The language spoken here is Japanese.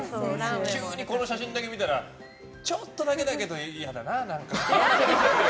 急にこの写真だけ見たらちょっとだけだけど、嫌だな。